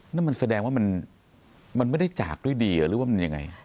นั่นมันแสดงว่ามันไม่ได้จากด้วยดีหรือว่ามันยังไง